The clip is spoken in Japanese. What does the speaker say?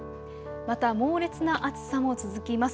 また猛烈な暑さも続きます。